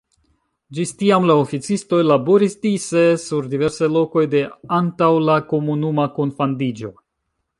Ĝis tiam la oficistoj laboris dise sur diversaj lokoj de antaŭ la komunuma kunfandiĝo.